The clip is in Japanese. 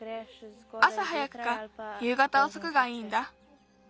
あさ早くかゆうがたおそくがいいんだ。